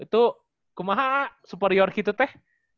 itu kumaha superior gitu teh